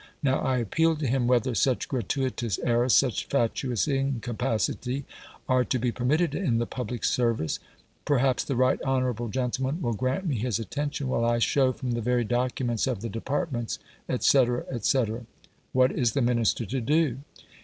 Now I appeal to him whether such gratuitous errors, such fatuous incapacity, are to be permitted in the public service. Perhaps the right honourable gentleman will grant me his attention while I show from the very documents of the departments," etc., etc. What is the Minister to do?